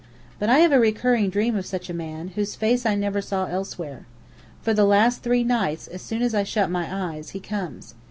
But I have a recurring dream of such a man, whose face I never saw elsewhere. For the last three nights, as soon as I shut my eyes, he comes.